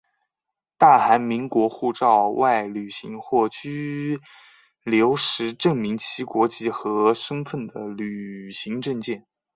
大韩民国护照外旅行或居留时证明其国籍和身份的旅行证件。